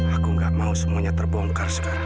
aku gak mau semuanya terbongkar sekarang